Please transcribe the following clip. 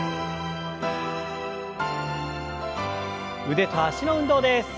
腕と脚の運動です。